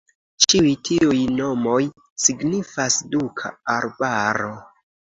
Ĉiuj tiuj nomoj signifas "Duka Arbaro".